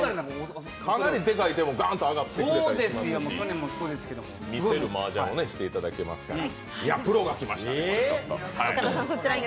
かなりでかい、でもガーンと上がってくれたり見せるマージャンをしてもらえますので。